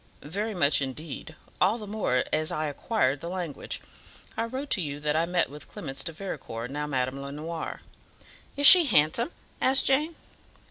"Very much, indeed; all the more as I acquired the language. I wrote to you that I met with Clemence de Vericourt, now Madame Lenoir." "Is she handsome?" asked Jane.